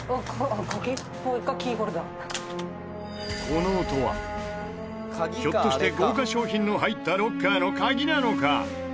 この音はひょっとして豪華商品の入ったロッカーのカギなのか？